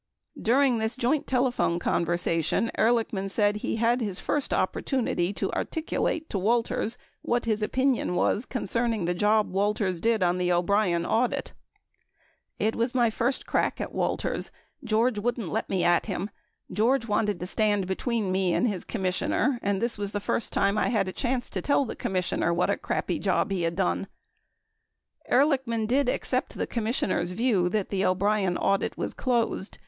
28a During this joint telephone conversation Ehr lichman said he had his first opportunity to articulate to Walters what his opinion was concerning the job Walters did on the O'Brien audit. it was my first crack at [Walters]. George wouldn't let me at him. George wanted to stand between me and his Commissioner and this was the first time I had a chance to tell the Commissioner what a crappy job he had done. 29 Ehrlichman did accept the Commissioner's view that the O'Brien audit was closed.